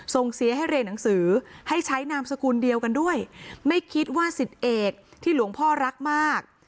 ส่งเสียให้เรียนหนังสือให้ใช้นามสกุลเดียวกันด้วยไม่คิดว่าสิทธิเอกที่หลวงพ่อรักมาก